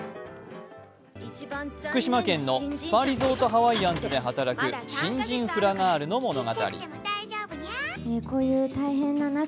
福島県のスパリゾートハワイアンズで働く新人フラガールの物語。